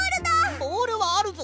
ボールはあるぞ。